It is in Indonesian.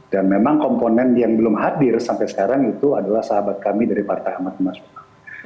dan memang komponen yang belum hadir sampai sekarang itu adalah sahabat kami dari partai ahmad mas budi